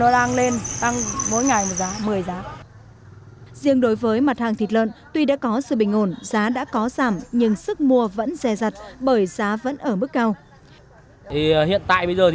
riêng đối với mặt hàng thịt lợn tuy đã có sự bình ổn giá đã có giảm nhưng sức mua vẫn dè dặt bởi giá vẫn ở mức cao